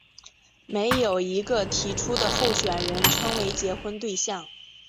没有一个提出的候选人称为结婚对象。